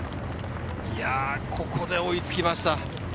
ここで追いつきました。